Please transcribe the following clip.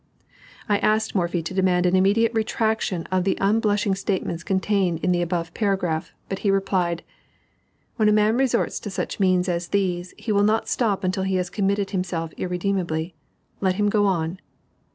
I asked Morphy to demand an immediate retraction of the unblushing statements contained in the above paragraph, but he replied "When a man resorts to such means as these, he will not stop until he has committed himself irremediably. Let him go on."